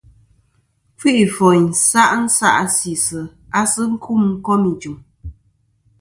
Kfi'ìfòyn sa' nsa'sisɨ̀ a sɨ kum kom ijɨ̀m.